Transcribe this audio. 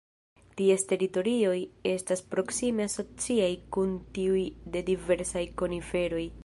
Ties teritorioj estas proksime asociaj kun tiuj de diversaj koniferoj.